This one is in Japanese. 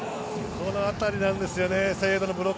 このあたりなんですよね。